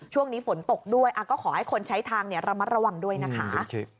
ช่วงนี้ฝนตกด้วยก็ขอให้คนใช้ทางระมัดระวังด้วยนะคะ